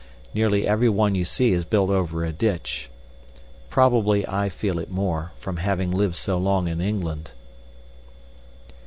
Nearly every one you see is built over a ditch. Probably I feel it more, from having lived so long in England."